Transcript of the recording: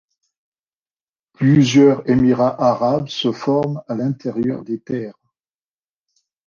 Plusieurs émirats arabes se forment à l'intérieur des terres.